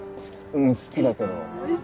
うん好きだけど。